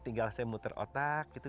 tinggal saya muter otak gitu